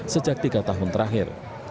sejak tiga tahun terakhir